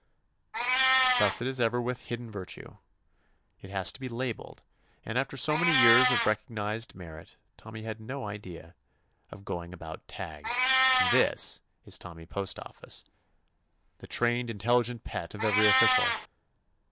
Thus it ever is with hid den virtue : it has to be labelled, and after so many years of recognized merit, Tommy had no idea of going about tagged: ''This is Tommy Postoffice, the trained, intelligent pet of every official.